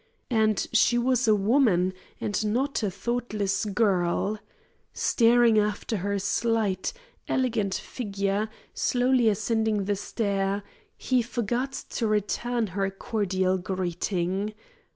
And she was a woman and not a thoughtless girl! Staring after her slight, elegant figure, slowly ascending the stair, he forgot to return her cordial greeting.